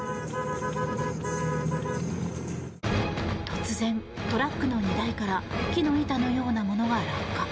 突然、トラックの荷台から木の板のようなものが落下。